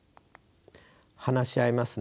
話し合いますね。